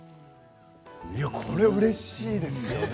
いや、これはうれしいですよね。